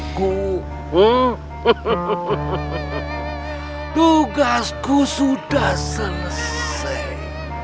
tugasku sudah selesai